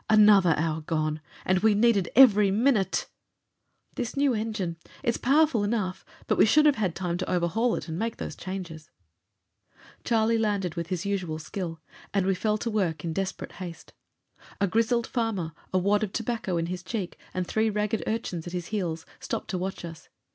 "Another hour gone! And we needed every minute!" "This new engine! It's powerful enough, but we should have had time to overhaul it, and make those changes." Charlie landed with his usual skill, and we fell to work in desperate haste. A grizzled farmer, a wad of tobacco in his cheek and three ragged urchins at his heels, stopped to watch us.